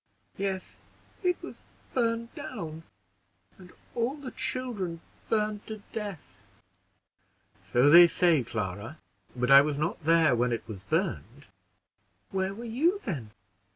"Yes, it was burned down, and all the children burned to death!" "So they say, Clara; but I was not there when it was burned." "Where were you then?"